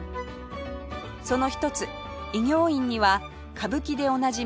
その一つ易行院には歌舞伎でおなじみ